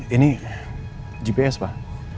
ini gps pak